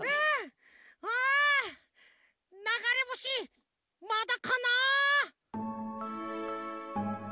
あながれぼしまだかなあ？